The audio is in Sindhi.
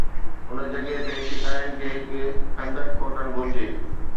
هن جڳهه تي، شڪارين کي هڪ خندق کوٽڻ گهرجي